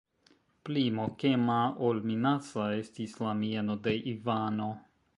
Pli mokema ol minaca estis la mieno de Ivano.